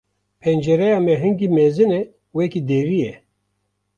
Pencereya me hingî mezin e wekî derî ye.